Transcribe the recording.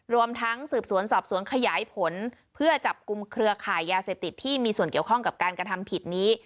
รวมทั้งสืบสวนสอบสวนขยายผลเพื่อจับกลุ่มเครือข่ายยาเสพติดที่มีส่วนเกี่ยวข้องกับการกระทำผิดนี้